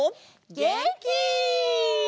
げんき！